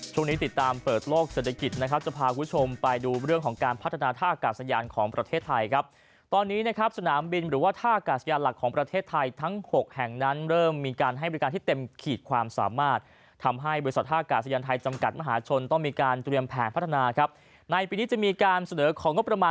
ติดตามเปิดโลกเศรษฐกิจนะครับจะพาคุณผู้ชมไปดูเรื่องของการพัฒนาท่าอากาศยานของประเทศไทยครับตอนนี้นะครับสนามบินหรือว่าท่ากาศยานหลักของประเทศไทยทั้ง๖แห่งนั้นเริ่มมีการให้บริการที่เต็มขีดความสามารถทำให้บริษัทท่ากาศยานไทยจำกัดมหาชนต้องมีการเตรียมแผนพัฒนาครับในปีนี้จะมีการเสนอของงบประมาณ